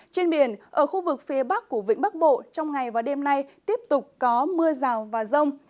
trên biển ở khu vực phía bắc của vĩnh bắc bộ trong ngày và đêm nay tiếp tục có mưa rào và rông